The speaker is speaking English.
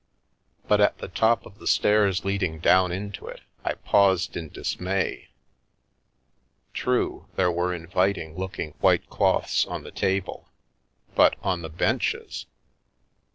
But at the top of the stairs leading down into it, I paused in dismay. True, there were inviting looking white cloths on the table, but on the benches!